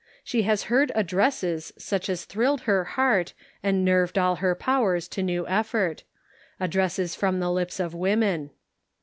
She has heard addresses such as thrilled her heart, and nerved all her powers to new effort ; addresses from the lips of women.